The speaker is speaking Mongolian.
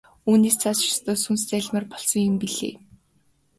Түүнээс цааш ёстой сүнс зайлмаар юм болсон билээ.